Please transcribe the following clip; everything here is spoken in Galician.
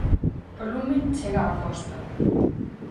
O lume chega á Costa.